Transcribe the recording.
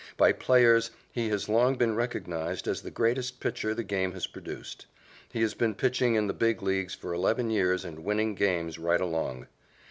By players, he has long been recognized as the greatest pitcher the game has produced. He has been pitching in the Big Leagues for eleven years and winning games right along.